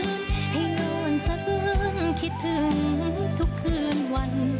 ให้นอนสะเนมคิดถึงทุกเครื่องวัน